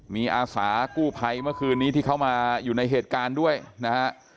มีอาสากู้ภัยเมื่อคืนนี้ที่เขามาอยู่ในเหตุการณ์ด้วยนะฮะ